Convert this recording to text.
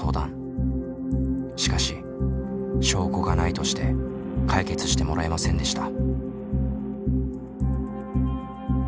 しかし証拠がないとして解決してもらえませんでした。